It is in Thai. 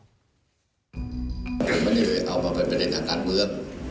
ผมไม่ได้เอามาเป็นประเด็นอาการเมือง